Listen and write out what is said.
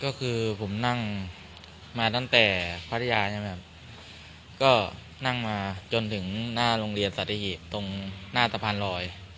ก็คือผมนั่งมาตั้งแต่พัทยาใช่ไหมครับก็นั่งมาจนถึงหน้าโรงเรียนสัตหีบตรงหน้าสะพานลอย